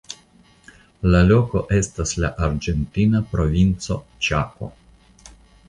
La loko estas la argentina provinco Ĉako.